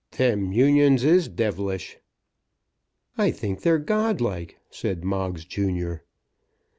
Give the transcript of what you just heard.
"Them Unions is devilish." "I think they're Godlike," said Moggs junior.